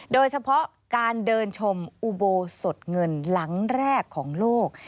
โดยเฉพาะการเดินชมอุโบสถเงินหลังแรกของโลก